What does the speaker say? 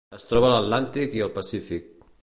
Es troba a l'Atlàntic i al Pacífic.